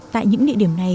tại những địa điểm này